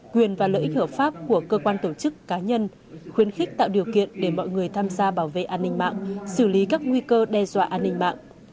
quyền và lợi ích hợp pháp của cơ quan tổ chức cá nhân khuyến khích tạo điều kiện để mọi người tham gia bảo vệ an ninh mạng xử lý các nguy cơ đe dọa an ninh mạng